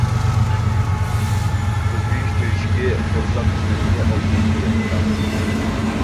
كۆپىيىش تۆشۈكى قورساق قىسمىدىكى ئالدىنقى يېرىمىدا.